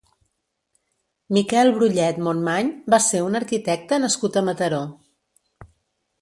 Miquel Brullet Monmany va ser un arquitecte nascut a Mataró.